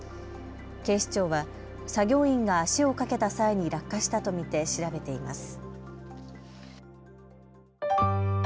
警視庁は作業員が足をかけた際に落下したと見て調べています。